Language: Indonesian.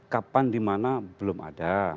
kapan di mana belum ada